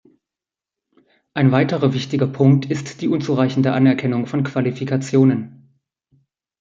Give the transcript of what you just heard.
Ein weiterer wichtiger Punkt ist die unzureichende Anerkennung von Qualifikationen.